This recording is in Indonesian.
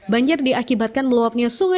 banjir diakibatkan meluapnya sungguh